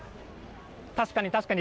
確かに、確かに。